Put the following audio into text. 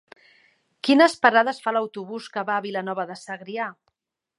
Quines parades fa l'autobús que va a Vilanova de Segrià?